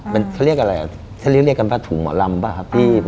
มันจะเรียกอะไรจะเรียกกันป่ะถุงหมอรำป่ะครับพี่